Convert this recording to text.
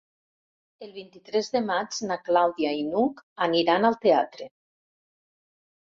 El vint-i-tres de maig na Clàudia i n'Hug aniran al teatre.